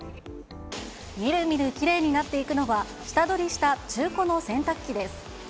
みるみるきれいになっていくのは、下取りした中古の洗濯機です。